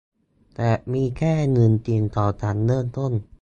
แต่มีแค่หนึ่งสิ่งก่อนฉันเริ่มต้น